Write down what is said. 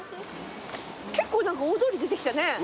結構何か大通り出てきたね